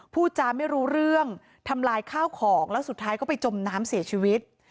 พูดจาไม่รู้เรื่องทำลายข้าวของแล้วสุดท้ายก็ไปจมน้ำเสียชีวิต